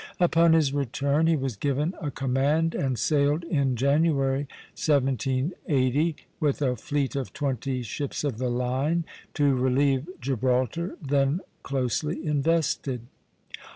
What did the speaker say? Upon his return he was given a command, and sailed, in January, 1780, with a fleet of twenty ships of the line, to relieve Gibraltar, then closely invested.